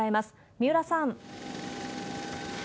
三浦さん。